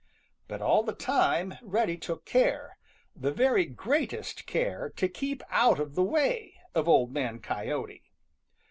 But all the time Reddy took care, the very greatest care, to keep out of the way of Old Man Coyote.